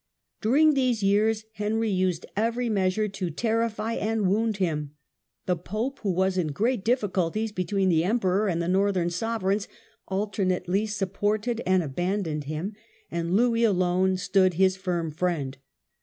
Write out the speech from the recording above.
During these years Henry used every measure to terrify and wound him; the pope, who was in great difficulties between the emperor and the northern sovereigns, alternately supported and abandoned him; and Louis alone stood his firm friend.